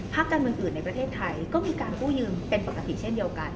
การเมืองอื่นในประเทศไทยก็มีการกู้ยืมเป็นปกติเช่นเดียวกัน